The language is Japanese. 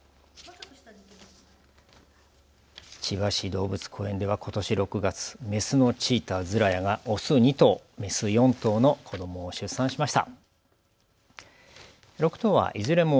千葉市動物公園ではことし６月、メスのチーター、ズラヤがオス２頭、メス４頭の子どもを出産しました。